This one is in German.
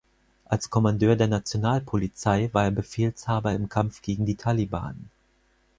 Als Kommandeur der Nationalpolizei war er Befehlshaber im Kampf gegen die Taliban.